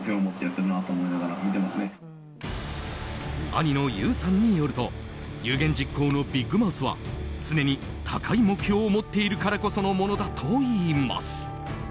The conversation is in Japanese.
兄の憂さんによると有言実行のビッグマウスは常に高い目標を持っているからこそのものだといいます。